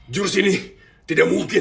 jurus ini tidak mungkin